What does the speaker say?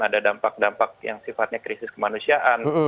ada dampak dampak yang sifatnya krisis kemanusiaan